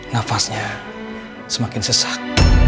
nafasnya semakin sesak